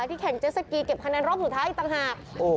ที่แข่งเจสสกีเก็บคะแนนรอบสุดท้ายอีกต่างหาก